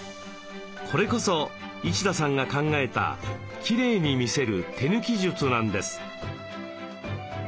これこそ一田さんが考えたきれいに見せる手抜き術なんです。